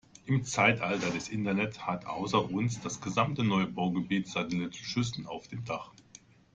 Im Zeitalter des Internet hat außer uns, das gesamte Neubaugebiet Satellitenschüsseln auf dem Dach.